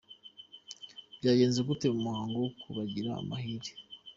Byagenze gute mu muhango wo kubagira abahire?.